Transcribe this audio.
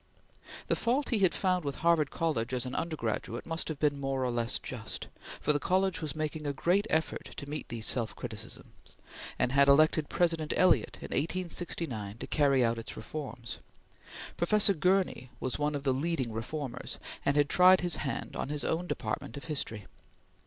The fault he had found with Harvard College as an undergraduate must have been more or less just, for the college was making a great effort to meet these self criticisms, and had elected President Eliot in 1869 to carry out its reforms. Professor Gurney was one of the leading reformers, and had tried his hand on his own department of History.